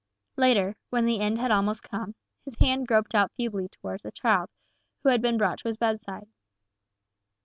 Later, when the end had almost come, his hand groped out feebly towards the child, who had been brought to his bedside.